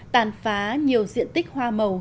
tàn phá nhiều diện tích hoa màu